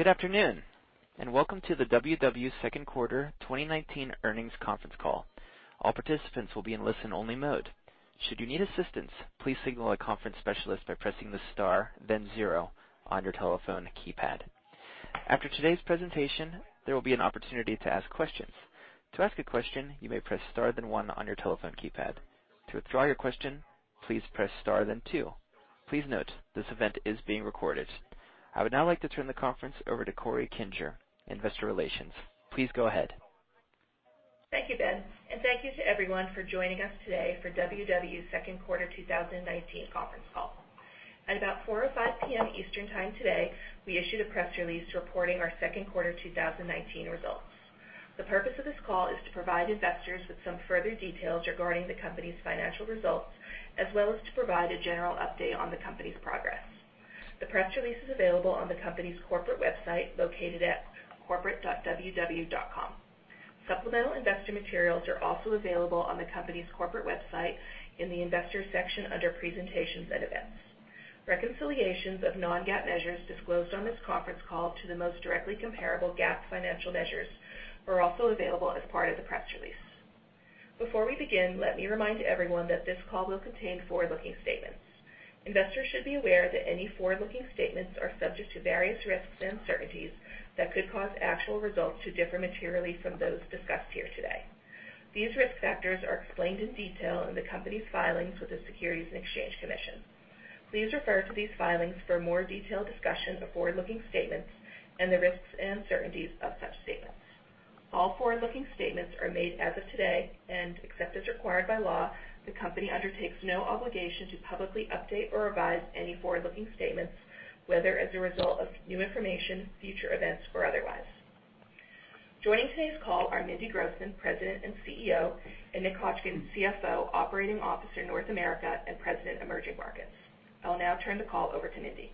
Good afternoon, and welcome to the WW second quarter 2019 earnings conference call. All participants will be in listen-only mode. Should you need assistance, please signal a conference specialist by pressing the star, then zero on your telephone keypad. After today's presentation, there will be an opportunity to ask questions. To ask a question, you may press star, then one on your telephone keypad. To withdraw your question, please press star, then two. Please note, this event is being recorded. I would now like to turn the conference over to Corey Kinger, investor relations. Please go ahead. Thank you, Ben, and thank you to everyone for joining us today for WW second quarter 2019 conference call. At about 4:05 P.M. Eastern time today, we issued a press release reporting our second quarter 2019 results. The purpose of this call is to provide investors with some further details regarding the company's financial results, as well as to provide a general update on the company's progress. The press release is available on the company's corporate website located at corporate.ww.com. Supplemental investor materials are also available on the company's corporate website in the Investors section under Presentations and Events. Reconciliations of non-GAAP measures disclosed on this conference call to the most directly comparable GAAP financial measures are also available as part of the press release. Before we begin, let me remind everyone that this call will contain forward-looking statements. Investors should be aware that any forward-looking statements are subject to various risks and uncertainties that could cause actual results to differ materially from those discussed here today. These risk factors are explained in detail in the company's filings with the Securities and Exchange Commission. Please refer to these filings for a more detailed discussion of forward-looking statements and the risks and uncertainties of such statements. All forward-looking statements are made as of today, and except as required by law, the company undertakes no obligation to publicly update or revise any forward-looking statements, whether as a result of new information, future events, or otherwise. Joining today's call are Mindy Grossman, President and CEO, and Nick Hotchkin, CFO, Operating Officer, North America, and President, Emerging Markets. I'll now turn the call over to Mindy.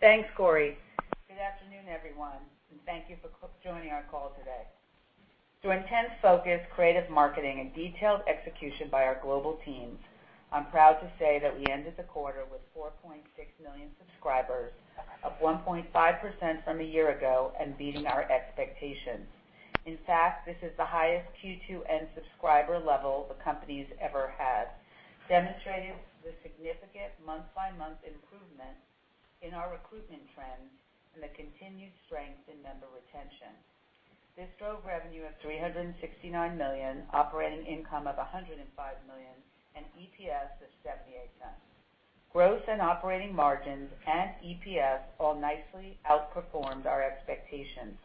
Thanks, Corey. Good afternoon, everyone, and thank you for joining our call today. Through intense focus, creative marketing, and detailed execution by our global teams, I'm proud to say that we ended the quarter with 4.6 million subscribers, up 1.5% from a year ago, and beating our expectations. In fact, this is the highest Q2 end subscriber level the company's ever had, demonstrating the significant month-by-month improvement in our recruitment trends and the continued strength in member retention. This drove revenue of $369 million, operating income of $105 million, and EPS of $0.78. Gross and operating margins and EPS all nicely outperformed our expectations.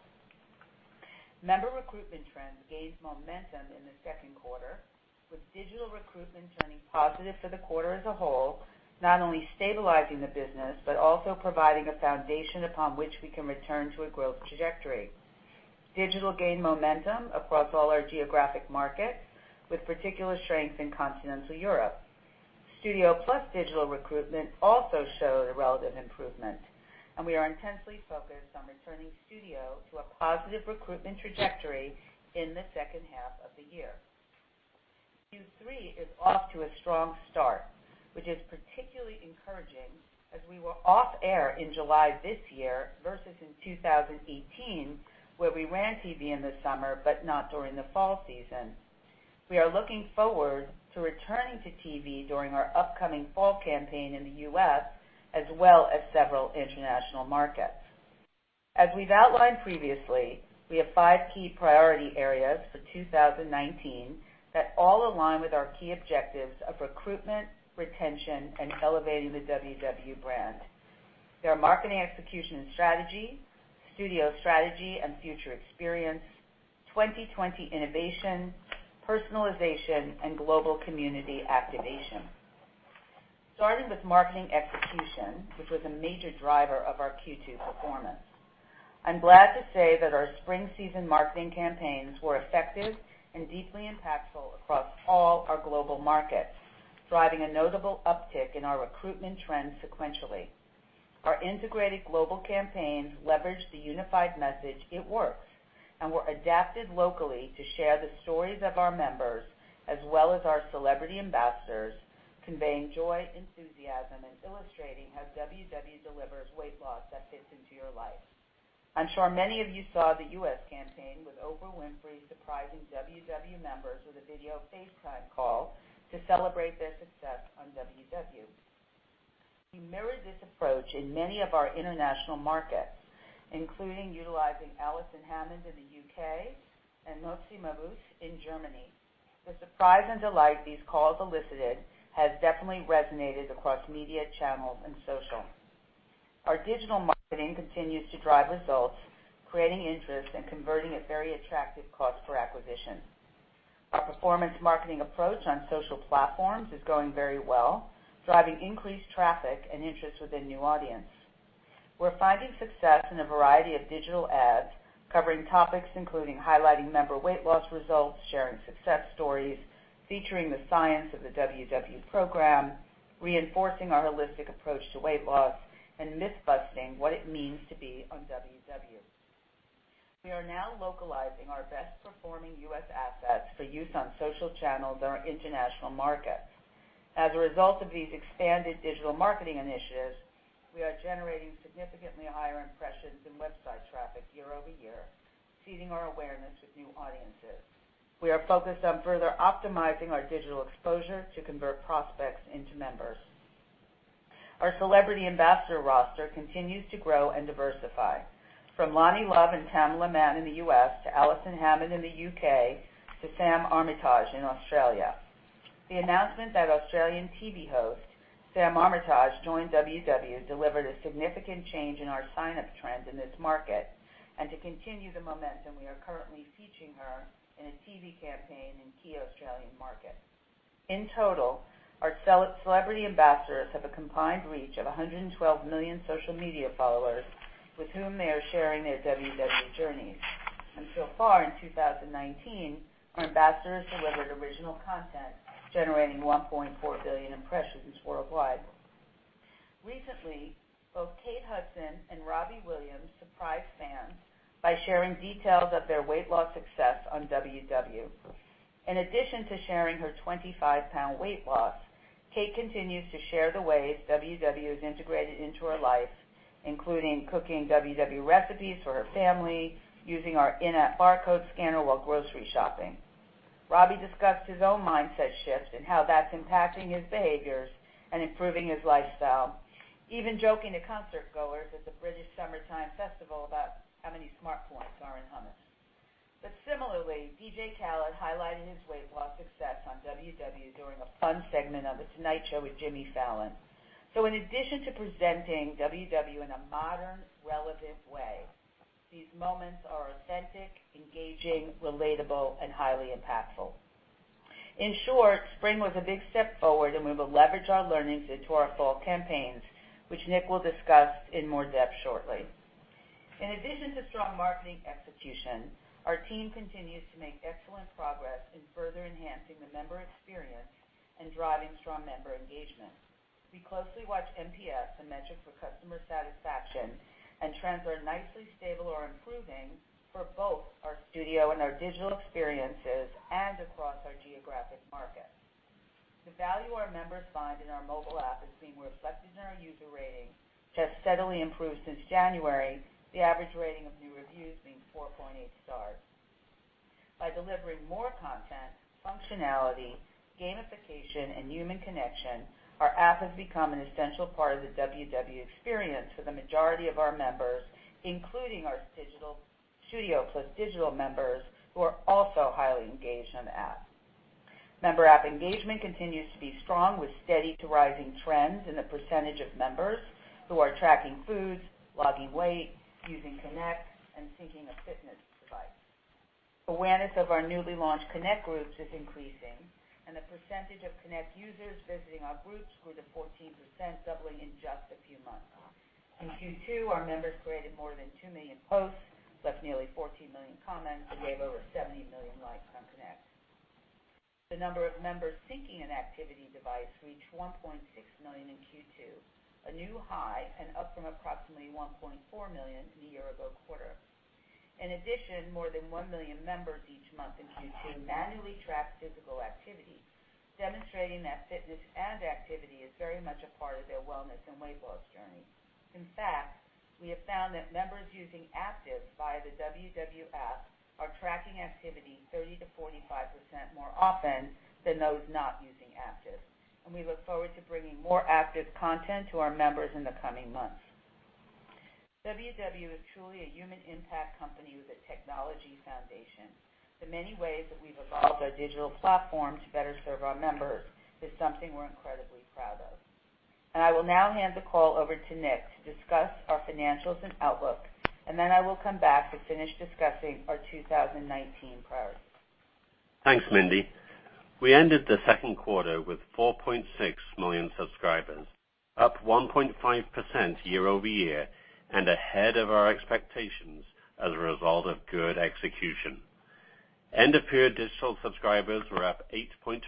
Member recruitment trends gained momentum in the second quarter, with digital recruitment turning positive for the quarter as a whole, not only stabilizing the business, but also providing a foundation upon which we can return to a growth trajectory. Digital gained momentum across all our geographic markets, with particular strength in continental Europe. Studio plus digital recruitment also showed a relative improvement, and we are intensely focused on returning Studio to a positive recruitment trajectory in the second half of the year. Q3 is off to a strong start, which is particularly encouraging as we were off air in July this year versus in 2018, where we ran TV in the summer, but not during the fall season. We are looking forward to returning to TV during our upcoming fall campaign in the U.S., as well as several international markets. As we've outlined previously, we have five key priority areas for 2019 that all align with our key objectives of recruitment, retention, and elevating the WW brand. They are marketing execution and strategy, Studio strategy and future experience, 2020 innovation, personalization, and global community activation. Starting with marketing execution, which was a major driver of our Q2 performance. I'm glad to say that our spring season marketing campaigns were effective and deeply impactful across all our global markets, driving a notable uptick in our recruitment trends sequentially. Our integrated global campaigns leveraged the unified message, "It works," and were adapted locally to share the stories of our members as well as our celebrity ambassadors, conveying joy, enthusiasm, and illustrating how WW delivers weight loss that fits into your life. I'm sure many of you saw the U.S. campaign with Oprah Winfrey surprising WW members with a video FaceTime call to celebrate their success on WW. We mirrored this approach in many of our international markets, including utilizing Alison Hammond in the U.K. and Motsi Mabuse in Germany. The surprise and delight these calls elicited has definitely resonated across media channels and social. Our digital marketing continues to drive results, creating interest, and converting at very attractive cost per acquisition. Our performance marketing approach on social platforms is going very well, driving increased traffic and interest with a new audience. We're finding success in a variety of digital ads covering topics including highlighting member weight loss results, sharing success stories, featuring the science of the WW program, reinforcing our holistic approach to weight loss, and myth-busting what it means to be on WW. We are now localizing our best-performing U.S. assets for use on social channels in our international markets. As a result of these expanded digital marketing initiatives, we are generating significantly higher impressions and website traffic year-over-year, seeding our awareness with new audiences. We are focused on further optimizing our digital exposure to convert prospects into members. Our celebrity ambassador roster continues to grow and diversify. From Loni Love and Tamela Mann in the U.S., to Alison Hammond in the U.K., to Sam Armytage in Australia. The announcement that Australian TV host Sam Armitage joined WW delivered a significant change in our sign-up trends in this market. To continue the momentum, we are currently featuring her in a TV campaign in key Australian markets. In total, our celebrity ambassadors have a combined reach of 112 million social media followers, with whom they are sharing their WW journeys. So far in 2019, our ambassadors delivered original content generating 1.4 billion impressions worldwide. Recently, both Kate Hudson and Robbie Williams surprised fans by sharing details of their weight loss success on WW. In addition to sharing her 25-pound weight loss, Kate continues to share the ways WW is integrated into her life, including cooking WW recipes for her family, using our in-app barcode scanner while grocery shopping. Robbie discussed his own mindset shift and how that's impacting his behaviors and improving his lifestyle, even joking to concertgoers at the British Summer Time Hyde Park about how many SmartPoints are in hummus. Similarly, DJ Khaled highlighted his weight loss success on WW during a fun segment of The Tonight Show Starring Jimmy Fallon. In addition to presenting WW in a modern, relevant way, these moments are authentic, engaging, relatable, and highly impactful. In short, spring was a big step forward, and we will leverage our learnings into our fall campaigns, which Nick will discuss in more depth shortly. In addition to strong marketing execution, our team continues to make excellent progress in further enhancing the member experience and driving strong member engagement. We closely watch NPS, the metric for customer satisfaction, and trends are nicely stable or improving for both our studio and our digital experiences and across our geographic markets. The value our members find in our mobile app is being reflected in our user ratings, which have steadily improved since January, the average rating of new reviews being 4.8 stars. By delivering more content, functionality, gamification, and human connection, our app has become an essential part of the WW experience for the majority of our members, including our studio plus digital members who are also highly engaged on the app. Member app engagement continues to be strong with steady to rising trends in the percentage of members who are tracking foods, logging weight, using Connect, and syncing a fitness device. Awareness of our newly launched Connect Groups is increasing, and the percentage of Connect users visiting our groups grew to 14%, doubling in just a few months. In Q2, our members created more than 2 million posts, left nearly 14 million comments, and gave over 70 million likes on Connect. The number of members syncing an activity device reached 1.6 million in Q2, a new high and up from approximately 1.4 million in the year-ago quarter. In addition, more than 1 million members each month in Q2 manually tracked physical activity, demonstrating that fitness and activity is very much a part of their wellness and weight loss journey. In fact, we have found that members using Active via the WW app are tracking activity 30%-45% more often than those not using Active. We look forward to bringing more active content to our members in the coming months. WW is truly a human impact company with a technology foundation. The many ways that we've evolved our digital platform to better serve our members is something we're incredibly proud of. I will now hand the call over to Nick to discuss our financials and outlook, then I will come back to finish discussing our 2019 priorities. Thanks, Mindy. We ended the second quarter with $4.6 million subscribers, up 1.5% year-over-year and ahead of our expectations as a result of good execution. End-of-period digital subscribers were up 8.3%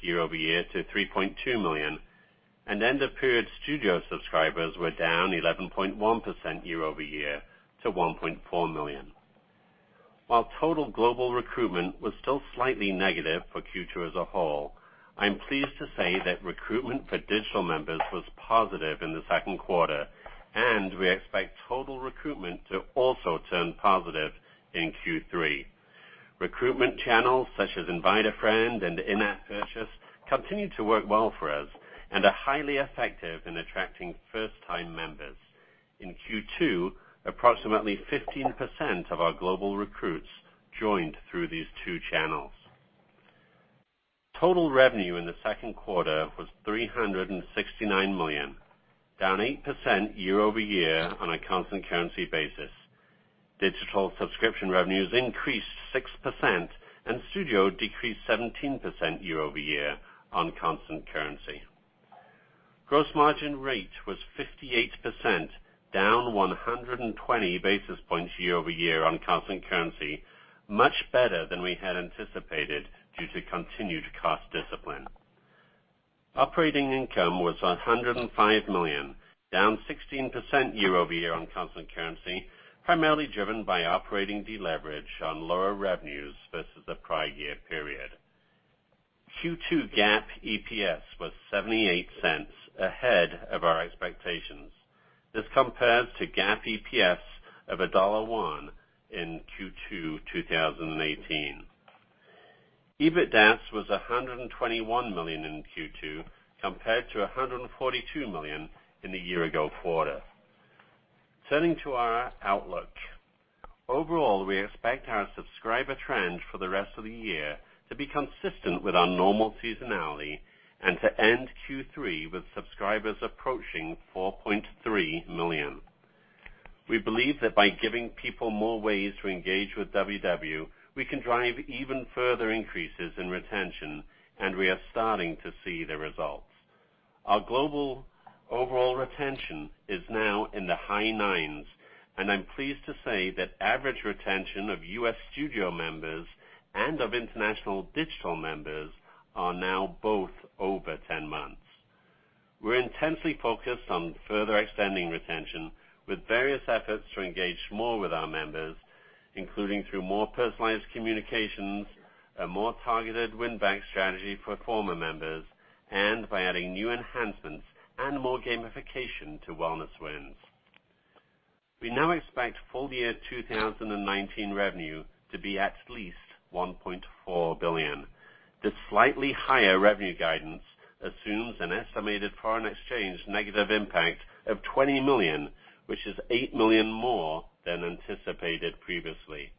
year-over-year to $3.2 million, and end-of-period studio subscribers were down 11.1% year-over-year to $1.4 million. While total global recruitment was still slightly negative for Q2 as a whole, I'm pleased to say that recruitment for digital members was positive in the second quarter, and we expect total recruitment to also turn positive in Q3. Recruitment channels such as Invite a Friend and In-app Purchase continue to work well for us and are highly effective in attracting first-time members. In Q2, approximately 15% of our global recruits joined through these two channels. Total revenue in the second quarter was $369 million, down 8% year-over-year on a constant currency basis. Digital subscription revenues increased 6% and studio decreased 17% year-over-year on constant currency. Gross margin rate was 58%, down 120 basis points year-over-year on constant currency, much better than we had anticipated due to continued cost discipline. Operating income was $105 million, down 16% year-over-year on constant currency, primarily driven by operating deleverage on lower revenues versus the prior year period. Q2 GAAP EPS was $0.78 ahead of our expectations. This compares to GAAP EPS of $1.01 in Q2 2018. EBITDA was $121 million in Q2, compared to $142 million in the year-ago quarter. Turning to our outlook. Overall, we expect our subscriber trend for the rest of the year to be consistent with our normal seasonality, and to end Q3 with subscribers approaching 4.3 million. We believe that by giving people more ways to engage with WW, we can drive even further increases in retention, and we are starting to see the results. Our global overall retention is now in the high nines, and I'm pleased to say that average retention of U.S. studio members and of international digital members are now both over 10 months. We're intensely focused on further extending retention with various efforts to engage more with our members, including through more personalized communications, a more targeted win-back strategy for former members, and by adding new enhancements and more gamification to WellnessWins. We now expect full-year 2019 revenue to be at least $1.4 billion. This slightly higher revenue guidance assumes an estimated foreign exchange negative impact of $20 million, which is $8 million more than anticipated previously.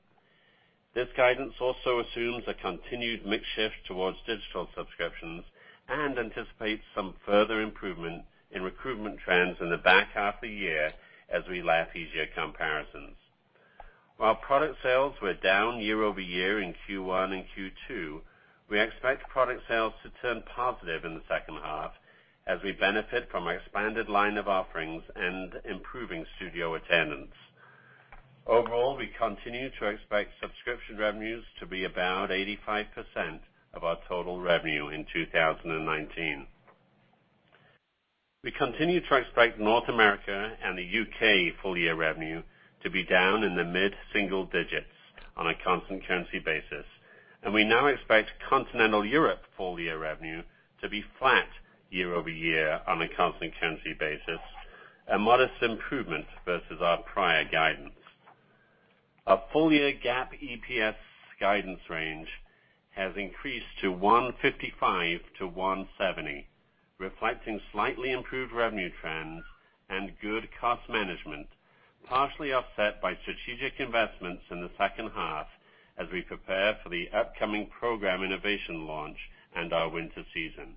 This guidance also assumes a continued mix shift towards digital subscriptions and anticipates some further improvement in recruitment trends in the back half of the year as we lap easier comparisons. While product sales were down year-over-year in Q1 and Q2, we expect product sales to turn positive in the second half as we benefit from our expanded line of offerings and improving studio attendance. Overall, we continue to expect subscription revenues to be about 85% of our total revenue in 2019. We continue to expect North America and the U.K. full-year revenue to be down in the mid-single digits on a constant currency basis, and we now expect continental Europe full-year revenue to be flat year-over-year on a constant currency basis, a modest improvement versus our prior guidance. Our full-year GAAP EPS guidance range has increased to $1.55-$1.70, reflecting slightly improved revenue trends and good cost management, partially offset by strategic investments in the second half as we prepare for the upcoming program innovation launch and our winter season.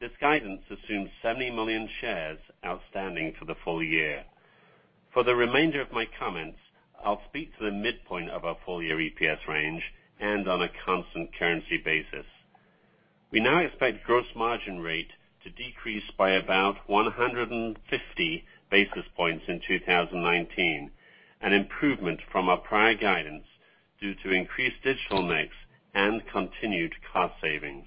This guidance assumes 70 million shares outstanding for the full year. For the remainder of my comments, I'll speak to the midpoint of our full-year EPS range and on a constant currency basis. We now expect gross margin rate to decrease by about 150 basis points in 2019, an improvement from our prior guidance due to increased digital mix and continued cost savings.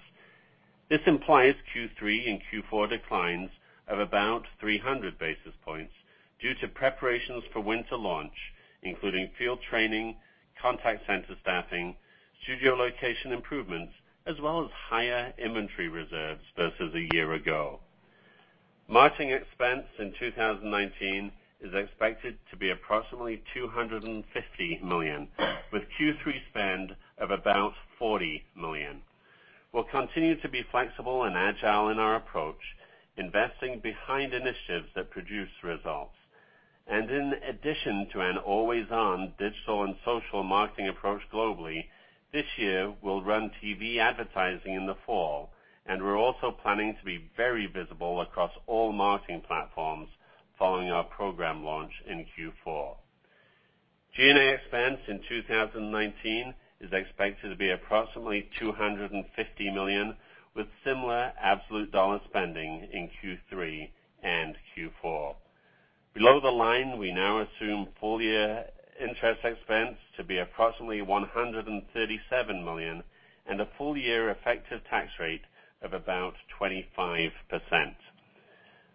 This implies Q3 and Q4 declines of about 300 basis points due to preparations for winter launch, including field training, contact center staffing, studio location improvements, as well as higher inventory reserves versus a year ago. Marketing expense in 2019 is expected to be approximately $250 million, with Q3 spend of about $40 million. We'll continue to be flexible and agile in our approach, investing behind initiatives that produce results. In addition to an always-on digital and social marketing approach globally, this year, we'll run TV advertising in the fall, and we're also planning to be very visible across all marketing platforms following our program launch in Q4. G&A expense in 2019 is expected to be approximately $250 million, with similar absolute dollar spending in Q3 and Q4. Below the line, we now assume full-year interest expense to be approximately $137 million and a full-year effective tax rate of about 25%.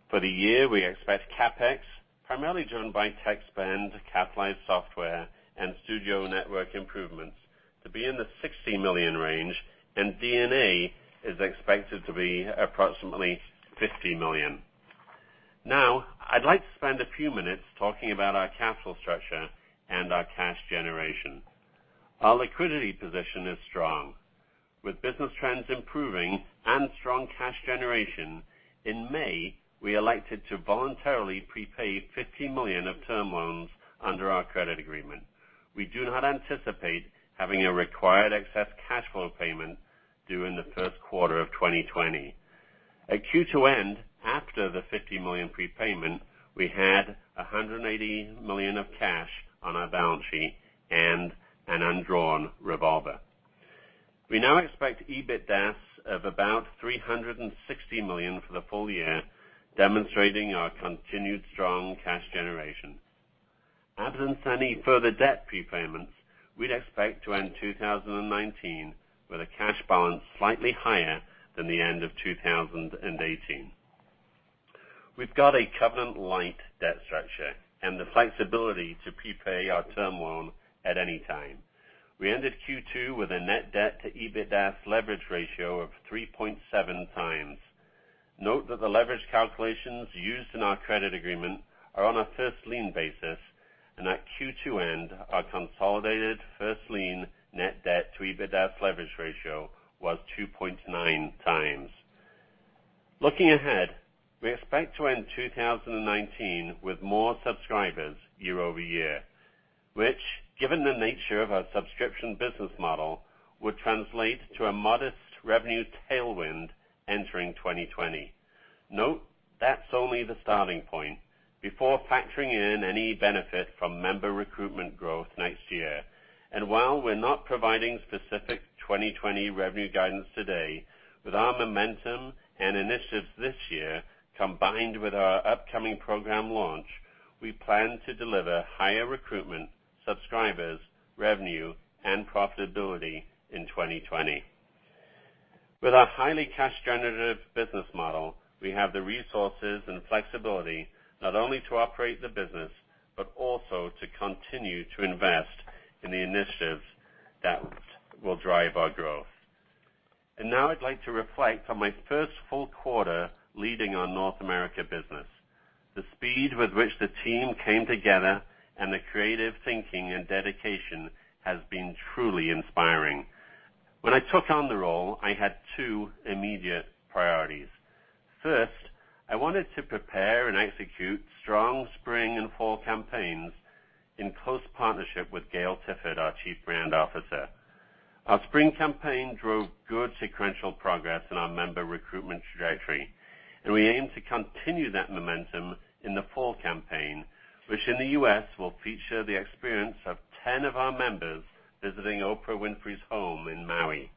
For the year, we expect CapEx, primarily driven by tech spend, capitalized software, and studio network improvements, to be in the $60 million range, and D&A is expected to be approximately $50 million. Now, I'd like to spend a few minutes talking about our capital structure and our cash generation. Our liquidity position is strong. With business trends improving and strong cash generation, in May, we elected to voluntarily prepay $50 million of term loans under our credit agreement. We do not anticipate having a required excess cash flow payment due in the first quarter of 2020. At Q2 end, after the $50 million prepayment, we had $180 million of cash on our balance sheet and an undrawn revolver. We now expect EBITDA of about $360 million for the full year, demonstrating our continued strong cash generation. Absence any further debt prepayments, we'd expect to end 2019 with a cash balance slightly higher than the end of 2018. We've got a covenant light debt structure and the flexibility to prepay our term loan at any time. We ended Q2 with a net debt to EBITDA leverage ratio of 3.7 times. Note that the leverage calculations used in our credit agreement are on a first lien basis, and at Q2 end, our consolidated first lien net debt to EBITDA leverage ratio was 2.9 times. Looking ahead, we expect to end 2019 with more subscribers year-over-year, which, given the nature of our subscription business model, would translate to a modest revenue tailwind entering 2020. Note, that's only the starting point before factoring in any benefit from member recruitment growth next year. While we're not providing specific 2020 revenue guidance today, with our momentum and initiatives this year, combined with our upcoming program launch, we plan to deliver higher recruitment, subscribers, revenue, and profitability in 2020. With our highly cash-generative business model, we have the resources and flexibility not only to operate the business, but also to continue to invest in the initiatives that will drive our growth. Now I'd like to reflect on my first full quarter leading our North America business. The speed with which the team came together and the creative thinking and dedication has been truly inspiring. When I took on the role, I had two immediate priorities. First, I wanted to prepare and execute strong spring and fall campaigns in close partnership with Gail Tifford, our Chief Brand Officer. Our spring campaign drove good sequential progress in our member recruitment trajectory, and we aim to continue that momentum in the fall campaign, which in the U.S., will feature the experience of 10 of our members visiting Oprah Winfrey's home in Maui.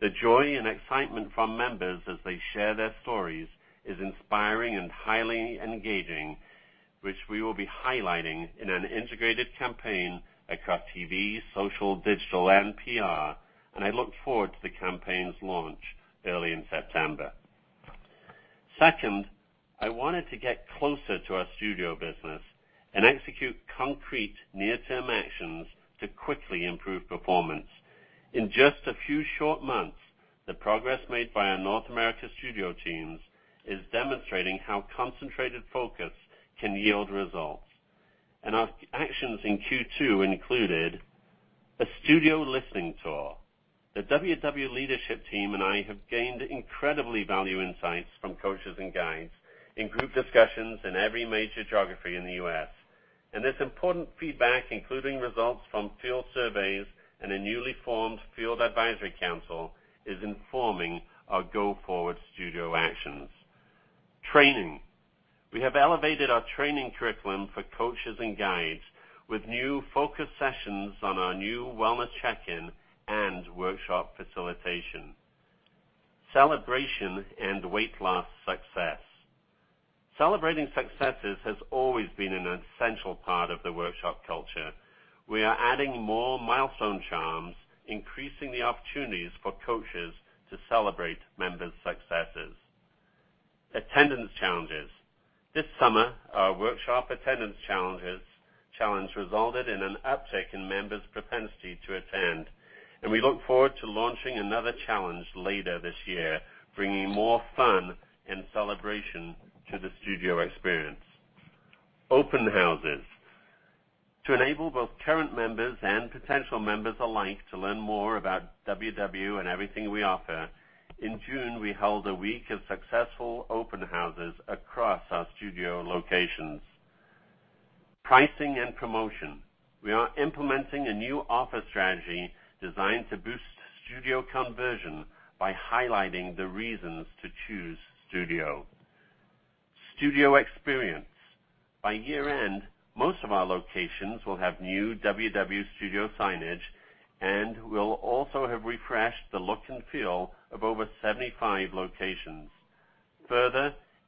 The joy and excitement from members as they share their stories is inspiring and highly engaging, which we will be highlighting in an integrated campaign across TV, social, digital, and PR. I look forward to the campaign's launch early in September. Second, I wanted to get closer to our studio business and execute concrete near-term actions to quickly improve performance. In just a few short months, the progress made by our North America studio teams is demonstrating how concentrated focus can yield results. Our actions in Q2 included a studio listening tour. The WW leadership team and I have gained incredibly valuable insights from coaches and guides in group discussions in every major geography in the U.S. This important feedback, including results from field surveys and a newly formed field advisory council, is informing our go-forward studio actions. Training. We have elevated our training curriculum for coaches and guides with new focus sessions on our new wellness check-in and workshop facilitation. Celebration and weight loss success. Celebrating successes has always been an essential part of the workshop culture. We are adding more milestone charms, increasing the opportunities for coaches to celebrate members' successes. Attendance challenges. This summer, our workshop attendance challenge resulted in an uptick in members' propensity to attend. We look forward to launching another challenge later this year, bringing more fun and celebration to the studio experience. Open houses. To enable both current members and potential members alike to learn more about WW and everything we offer, in June, we held a week of successful open houses across our studio locations. Pricing and promotion. We are implementing a new offer strategy designed to boost studio conversion by highlighting the reasons to choose studio. Studio experience. By year-end, most of our locations will have new WW studio signage and will also have refreshed the look and feel of over 75 locations.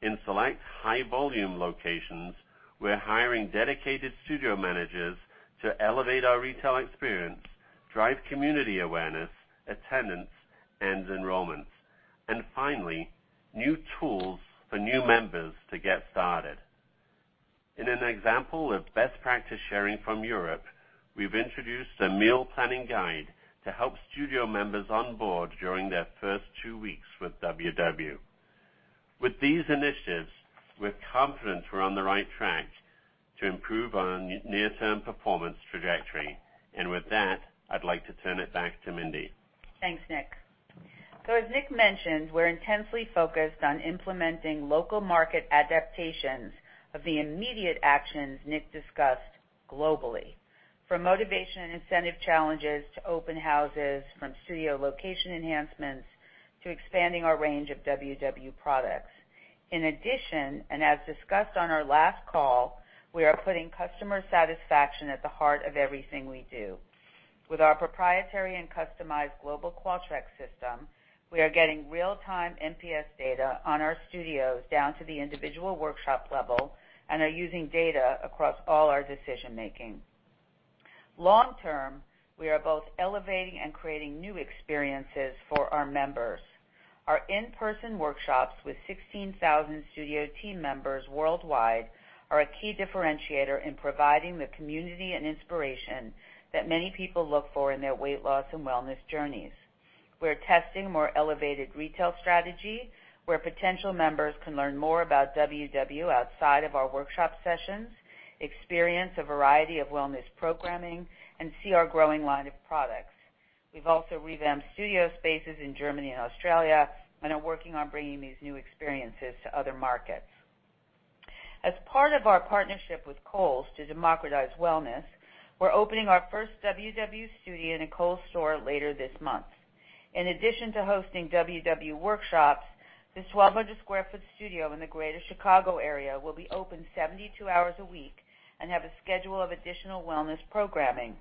In select high-volume locations, we're hiring dedicated studio managers to elevate our retail experience, drive community awareness, attendance, and enrollments. Finally, new tools for new members to get started. In an example of best practice sharing from Europe, we've introduced a meal planning guide to help studio members onboard during their first two weeks with WW. With these initiatives, we're confident we're on the right track to improve our near-term performance trajectory. With that, I'd like to turn it back to Mindy. Thanks, Nick. As Nick mentioned, we're intensely focused on implementing local market adaptations of the immediate actions Nick discussed globally, from motivation and incentive challenges to open houses, from studio location enhancements to expanding our range of WW products. In addition, as discussed on our last call, we are putting customer satisfaction at the heart of everything we do. With our proprietary and customized global Qualtrics system, we are getting real-time NPS data on our studios down to the individual workshop level and are using data across all our decision-making. Long term, we are both elevating and creating new experiences for our members. Our in-person workshops with 16,000 studio team members worldwide are a key differentiator in providing the community and inspiration that many people look for in their weight loss and wellness journeys. We're testing more elevated retail strategy, where potential members can learn more about WW outside of our workshop sessions, experience a variety of wellness programming, and see our growing line of products. We've also revamped studio spaces in Germany and Australia and are working on bringing these new experiences to other markets. As part of our partnership with Kohl's to democratize wellness, we're opening our first WW studio in a Kohl's store later this month. In addition to hosting WW workshops, this 1,200 square foot studio in the greater Chicago area will be open 72 hours a week and have a schedule of additional wellness programming.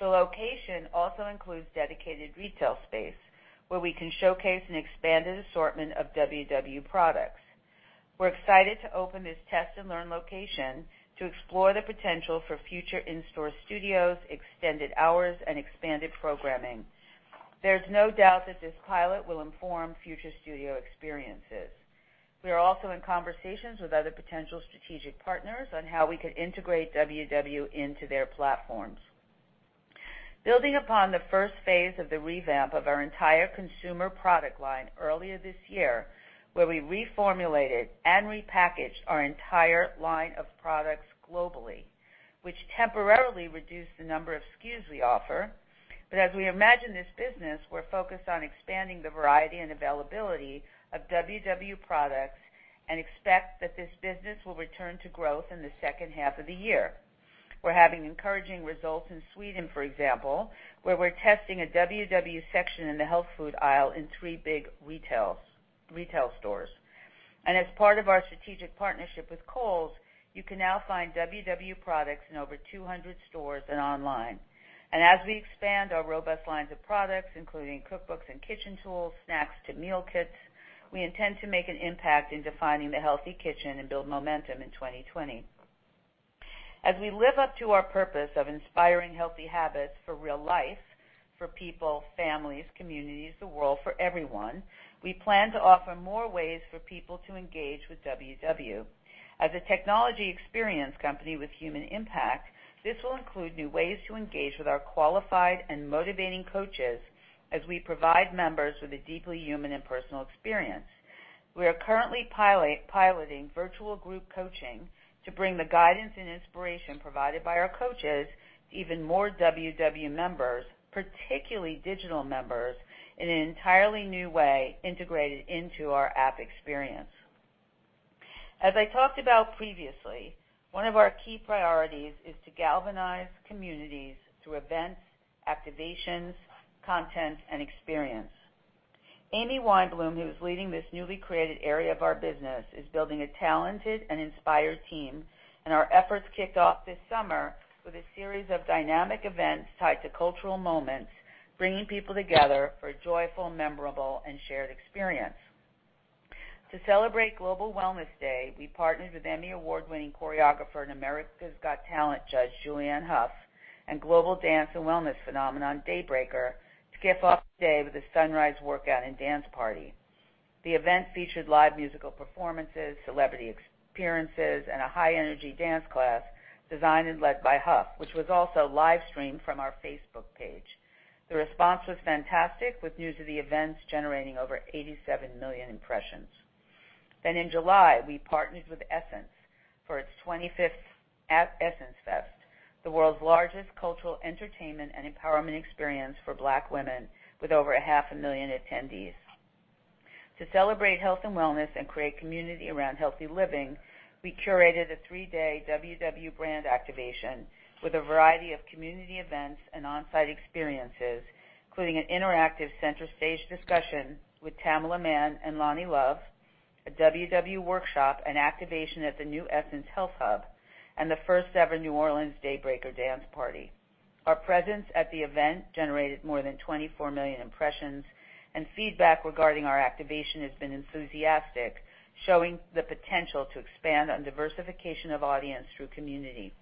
The location also includes dedicated retail space, where we can showcase an expanded assortment of WW products. We're excited to open this test and learn location to explore the potential for future in-store studios, extended hours, and expanded programming. There's no doubt that this pilot will inform future studio experiences. We are also in conversations with other potential strategic partners on how we could integrate WW into their platforms. Building upon the first phase of the revamp of our entire consumer product line earlier this year, where we reformulated and repackaged our entire line of products globally, which temporarily reduced the number of SKUs we offer. As we imagine this business, we're focused on expanding the variety and availability of WW products and expect that this business will return to growth in the second half of the year. We're having encouraging results in Sweden, for example, where we're testing a WW section in the health food aisle in three big retail stores. As part of our strategic partnership with Kohl's, you can now find WW products in over 200 stores and online. As we expand our robust lines of products, including cookbooks and kitchen tools, snacks to meal kits, we intend to make an impact in defining the healthy kitchen and build momentum in 2020. As we live up to our purpose of inspiring healthy habits for real life, for people, families, communities, the world, for everyone, we plan to offer more ways for people to engage with WW. As a technology experience company with human impact, this will include new ways to engage with our qualified and motivating coaches as we provide members with a deeply human and personal experience. We are currently piloting virtual group coaching to bring the guidance and inspiration provided by our coaches to even more WW members, particularly digital members, in an entirely new way integrated into our app experience. As I talked about previously, one of our key priorities is to galvanize communities through events, activations, content, and experience. Amy Weinblum, who is leading this newly created area of our business, is building a talented and inspired team, and our efforts kicked off this summer with a series of dynamic events tied to cultural moments, bringing people together for a joyful, memorable, and shared experience. To celebrate Global Wellness Day, we partnered with Emmy award-winning choreographer and America's Got Talent judge Julianne Hough and global dance and wellness phenomenon Daybreaker to kick off the day with a sunrise workout and dance party. The event featured live musical performances, celebrity experiences, and a high-energy dance class designed and led by Hough, which was also live-streamed from our Facebook page. The response was fantastic, with news of the events generating over 87 million impressions. In July, we partnered with Essence for its 25th at Essence Fest, the world's largest cultural entertainment and empowerment experience for Black women, with over a half a million attendees. To celebrate health and wellness and create community around healthy living, we curated a 3-day WW brand activation with a variety of community events and on-site experiences, including an interactive center stage discussion with Tamela Mann and Loni Love, a WW workshop and activation at the new Essence Health Hub, and the first-ever New Orleans Daybreaker dance party. Our presence at the event generated more than 24 million impressions, and feedback regarding our activation has been enthusiastic, showing the potential to expand on diversification of audience through community.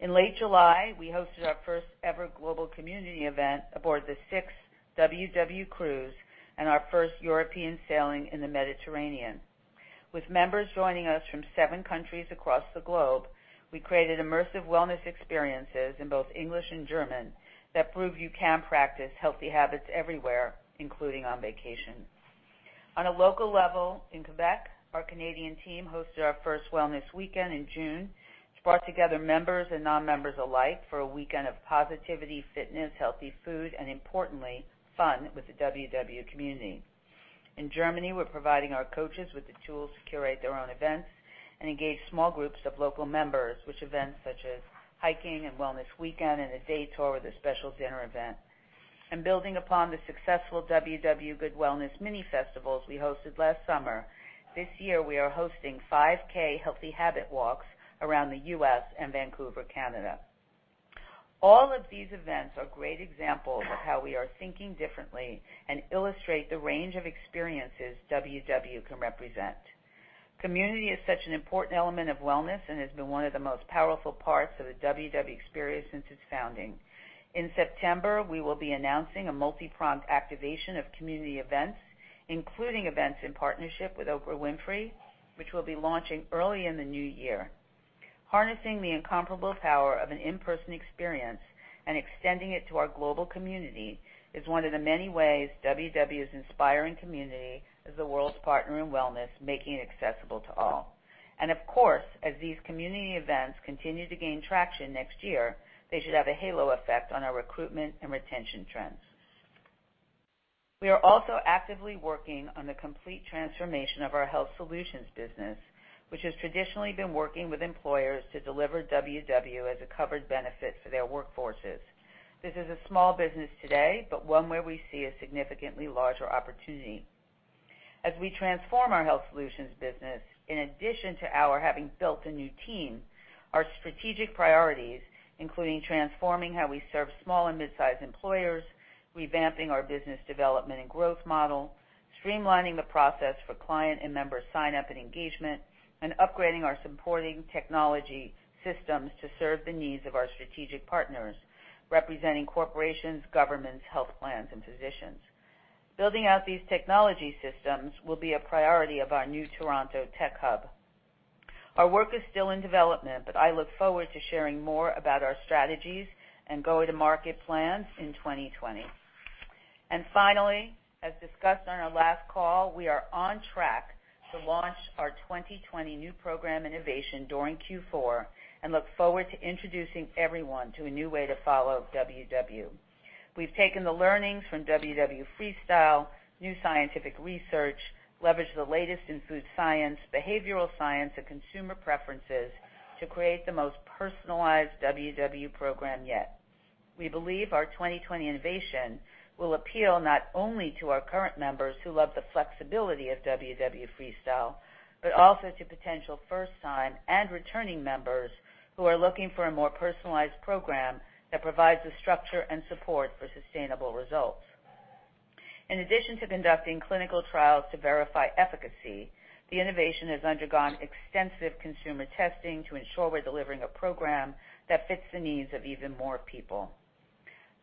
In late July, we hosted our first-ever global community event aboard the sixth WW cruise and our first European sailing in the Mediterranean. With members joining us from seven countries across the globe, we created immersive wellness experiences in both English and German that prove you can practice healthy habits everywhere, including on vacation. On a local level, in Quebec, our Canadian team hosted our first wellness weekend in June, which brought together members and non-members alike for a weekend of positivity, fitness, healthy food, and importantly, fun with the WW community. In Germany, we're providing our coaches with the tools to curate their own events and engage small groups of local members with events such as hiking and wellness weekend and a day tour with a special dinner event. Building upon the successful WW Good Wellness mini festivals we hosted last summer, this year, we are hosting 5K healthy habit walks around the U.S. and Vancouver, Canada. All of these events are great examples of how we are thinking differently and illustrate the range of experiences WW can represent. Community is such an important element of wellness and has been one of the most powerful parts of the WW experience since its founding. In September, we will be announcing a multipronged activation of community events, including events in partnership with Oprah Winfrey, which we'll be launching early in the new year. Harnessing the incomparable power of an in-person experience and extending it to our global community is one of the many ways WW is inspiring community as the world's partner in wellness, making it accessible to all. Of course, as these community events continue to gain traction next year, they should have a halo effect on our recruitment and retention trends. We are also actively working on the complete transformation of our health solutions business, which has traditionally been working with employers to deliver WW as a covered benefit for their workforces. This is a small business today, but one where we see a significantly larger opportunity. As we transform our health solutions business, in addition to our having built a new team, our strategic priorities, including transforming how we serve small and mid-size employers, revamping our business development and growth model, streamlining the process for client and member sign-up and engagement, and upgrading our supporting technology systems to serve the needs of our strategic partners, representing corporations, governments, health plans, and physicians. Building out these technology systems will be a priority of our new Toronto tech hub. Our work is still in development, but I look forward to sharing more about our strategies and go-to-market plans in 2020. Finally, as discussed on our last call, we are on track to launch our 2020 new program innovation during Q4 and look forward to introducing everyone to a new way to follow WW. We've taken the learnings from WW Freestyle, new scientific research, leveraged the latest in food science, behavioral science, and consumer preferences to create the most personalized WW program yet. We believe our 2020 innovation will appeal not only to our current members who love the flexibility of WW Freestyle, but also to potential first-time and returning members who are looking for a more personalized program that provides the structure and support for sustainable results. In addition to conducting clinical trials to verify efficacy, the innovation has undergone extensive consumer testing to ensure we're delivering a program that fits the needs of even more people.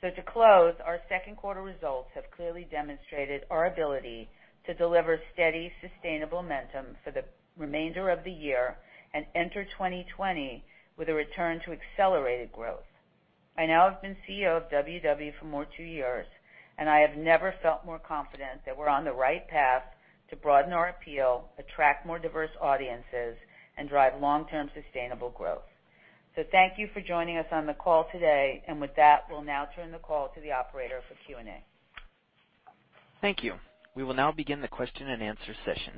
To close, our second quarter results have clearly demonstrated our ability to deliver steady, sustainable momentum for the remainder of the year and enter 2020 with a return to accelerated growth. I now have been CEO of WW for more than two years, I have never felt more confident that we're on the right path to broaden our appeal, attract more diverse audiences, and drive long-term sustainable growth. Thank you for joining us on the call today. With that, we'll now turn the call to the operator for Q&A. Thank you. We will now begin the question and answer session.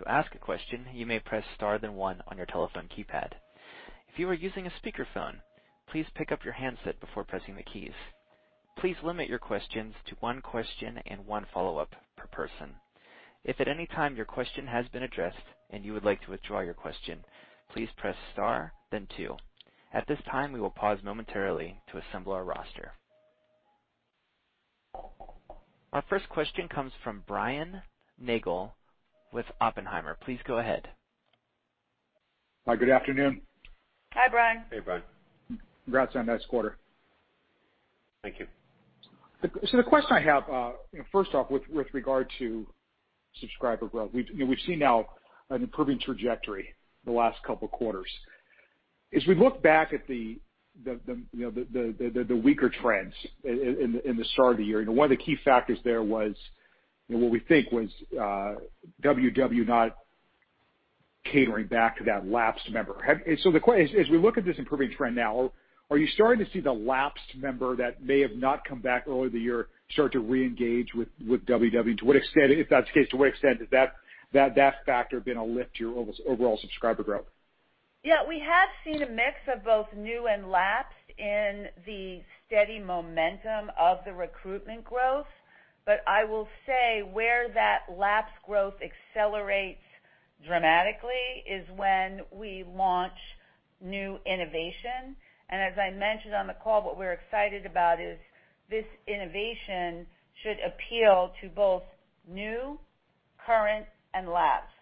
To ask a question, you may press star, then one on your telephone keypad. If you are using a speakerphone, please pick up your handset before pressing the keys. Please limit your questions to one question and one follow-up per person. If at any time your question has been addressed and you would like to withdraw your question, please press star, then two. At this time, we will pause momentarily to assemble our roster. Our first question comes from Brian Nagel with Oppenheimer. Please go ahead. Hi, good afternoon. Hi, Brian. Hey, Brian. Congrats on a nice quarter. Thank you. The question I have, first off, with regard to subscriber growth, we've seen now an improving trajectory the last couple of quarters. As we look back at the weaker trends in the start of the year, one of the key factors there was what we think was WW not catering back to that lapsed member. As we look at this improving trend now, are you starting to see the lapsed member that may have not come back earlier in the year start to reengage with WW? If that's the case, to what extent has that factor been a lift to your overall subscriber growth? Yeah, we have seen a mix of both new and lapsed in the steady momentum of the recruitment growth. I will say where that lapsed growth accelerates dramatically is when we launch new innovation. As I mentioned on the call, what we're excited about is this innovation should appeal to both new, current, and lapsed.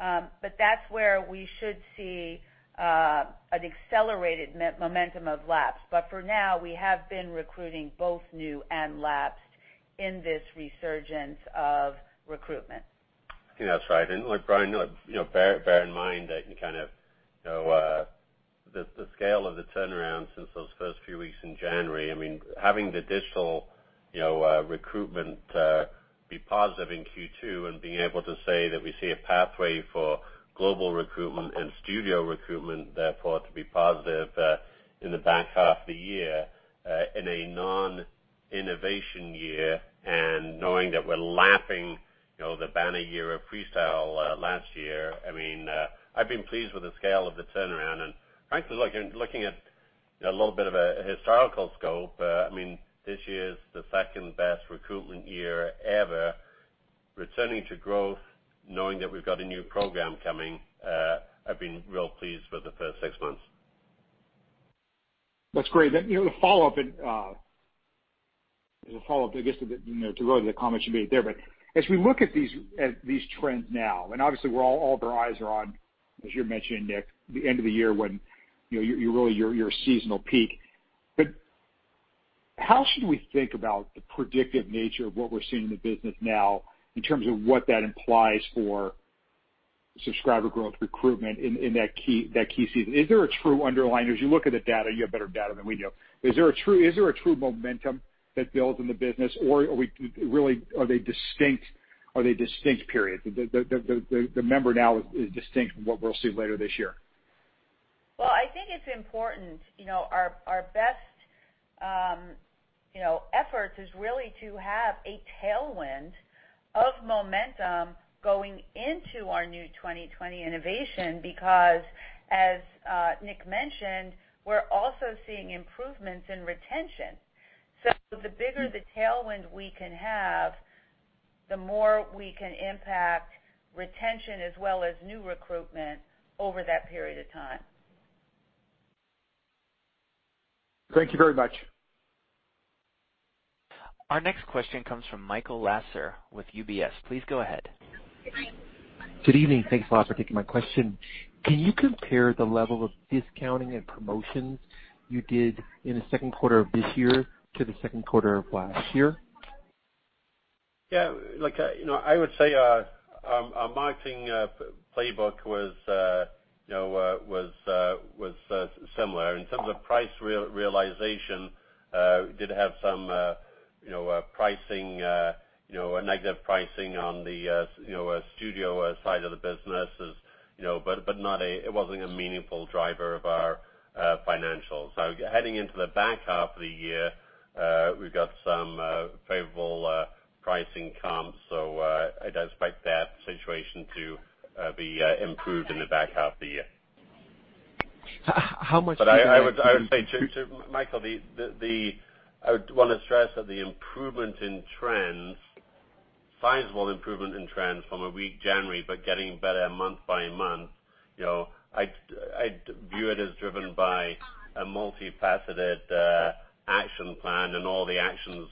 That's where we should see an accelerated momentum of lapsed. For now, we have been recruiting both new and lapsed in this resurgence of recruitment. That's right. Look, Brian, bear in mind that the scale of the turnaround since those first few weeks in January, having the digital recruitment be positive in Q2 and being able to say that we see a pathway for global recruitment and studio recruitment, therefore, to be positive in the back half of the year, in a non-innovation year and knowing that we're lapsing the banner year of Freestyle last year, I've been pleased with the scale of the turnaround. Frankly, looking at a little bit of a historical scope, this year's the second-best recruitment year ever. Returning to growth, knowing that we've got a new program coming, I've been real pleased for the first six months. That's great. The follow-up, I guess, to the comments you made there. As we look at these trends now, and obviously all of our eyes are on, as you're mentioning, Nick, the end of the year when really your seasonal peak. How should we think about the predictive nature of what we're seeing in the business now in terms of what that implies for subscriber growth recruitment in that key season? Is there a true underlying, as you look at the data? You have better data than we do. Is there a true momentum that builds in the business, or really are they distinct periods? The member now is distinct from what we'll see later this year. Well, I think it's important, our best efforts is really to have a tailwind of momentum going into our new 2020 innovation because, as Nick mentioned, we're also seeing improvements in retention. The bigger the tailwind we can have, the more we can impact retention as well as new recruitment over that period of time. Thank you very much. Our next question comes from Michael Lasser with UBS. Please go ahead. Good evening. Thanks a lot for taking my question. Can you compare the level of discounting and promotions you did in the second quarter of this year to the second quarter of last year? Yeah. I would say our marketing playbook was similar. In terms of price realization, we did have some negative pricing on the studio side of the business, but it wasn't a meaningful driver of our financials. Now, heading into the back half of the year, we've got some favorable pricing comps, so I'd expect that situation to be improved in the back half of the year. How much- I would say, Michael, I would want to stress that the sizable improvement in trends from a weak January, but getting better month by month, I'd view it as driven by a multifaceted action plan and all the actions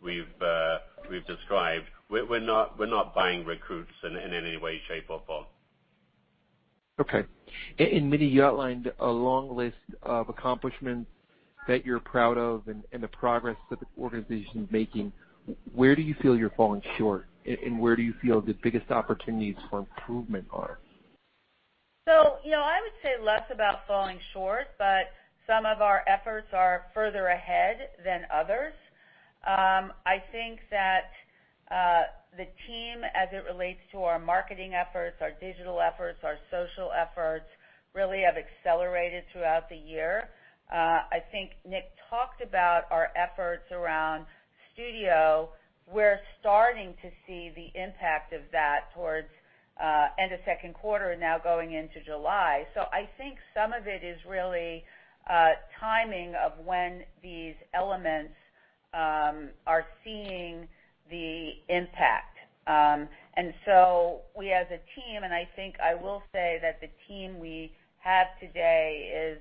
we've described. We're not buying recruits in any way, shape, or form. Okay. Mindy, you outlined a long list of accomplishments that you're proud of and the progress that the organization's making. Where do you feel you're falling short, and where do you feel the biggest opportunities for improvement are? I would say less about falling short, but some of our efforts are further ahead than others. I think that the team, as it relates to our marketing efforts, our digital efforts, our social efforts, really have accelerated throughout the year. I think Nick talked about our efforts around studio. We're starting to see the impact of that towards end of second quarter, now going into July. I think some of it is really timing of when these elements are seeing the impact. We as a team, and I think I will say that the team we have today is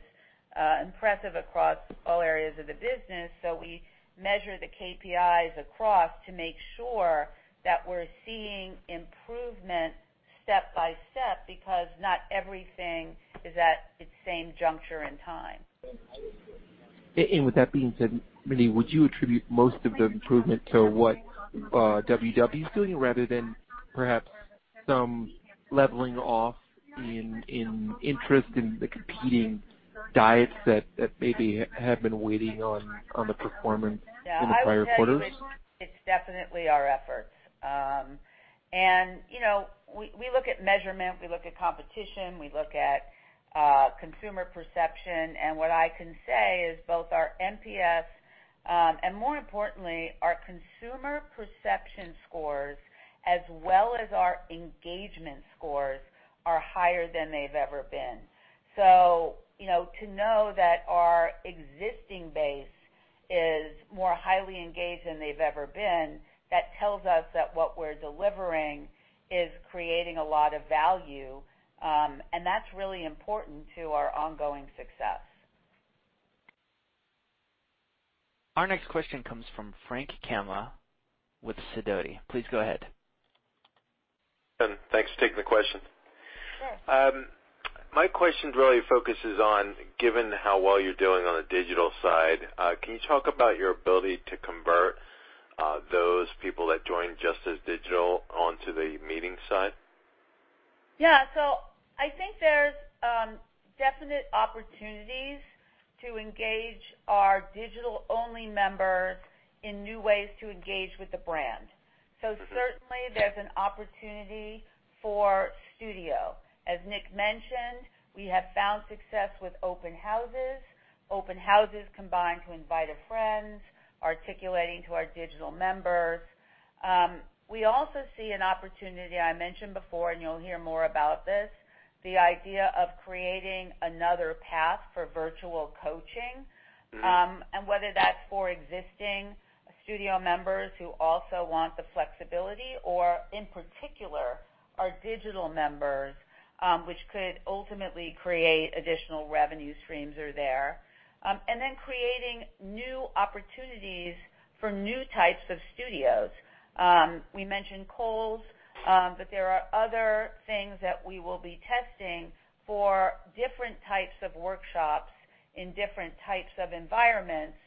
impressive across all areas of the business. We measure the KPIs across to make sure that we're seeing improvement step by step because not everything is at its same juncture in time. With that being said, Mindy, would you attribute most of the improvement to what WW is doing rather than perhaps some leveling off in interest in the competing diets that maybe have been waiting on the performance in the prior quarters? Yeah, I would say it's definitely our efforts. We look at measurement, we look at competition, we look at consumer perception, and what I can say is both our NPS, and more importantly, our consumer perception scores as well as our engagement scores are higher than they've ever been. To know that our existing base is more highly engaged than they've ever been, that tells us that what we're delivering is creating a lot of value, and that's really important to our ongoing success. Our next question comes from Frank Camma with Sidoti. Please go ahead. Thanks for taking the question. Sure. My question really focuses on, given how well you're doing on the digital side, can you talk about your ability to convert those people that joined just as digital onto the meeting side? I think there's definite opportunities to engage our digital-only members in new ways to engage with the brand. Certainly, there's an opportunity for Studio. As Nick mentioned, we have found success with open houses. Open houses combined to Invite a Friend, articulating to our digital members. We also see an opportunity I mentioned before, and you'll hear more about this, the idea of creating another path for virtual coaching, and whether that's for existing Studio members who also want the flexibility, or in particular, our digital members, which could ultimately create additional revenue streams are there. Then creating new opportunities for new types of Studios. We mentioned Kohl's, there are other things that we will be testing for different types of workshops in different types of environments.